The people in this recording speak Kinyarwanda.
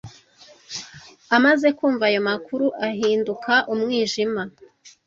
Amaze kumva ayo makuru, ahinduka umwijima.